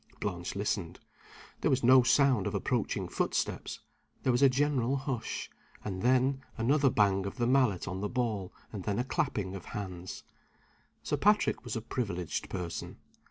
Blanche listened. There was no sound of approaching footsteps there was a general hush, and then another bang of the mallet on the ball and then a clapping of hands. Sir Patrick was a privileged person.